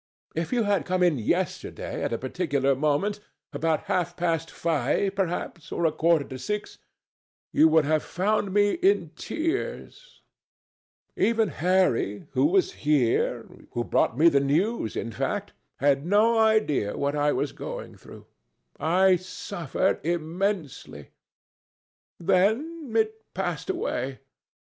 If you had come in yesterday at a particular moment—about half past five, perhaps, or a quarter to six—you would have found me in tears. Even Harry, who was here, who brought me the news, in fact, had no idea what I was going through. I suffered immensely. Then it passed away.